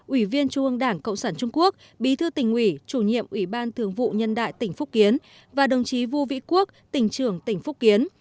ủy viên trung ương đảng cộng sản trung quốc bí thư tỉnh ủy chủ nhiệm ủy ban thường vụ nhân đại tỉnh phúc kiến và đồng chí vũ vĩ quốc tỉnh trưởng tỉnh phúc kiến